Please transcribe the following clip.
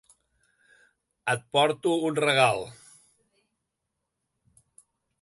Et porto un regal.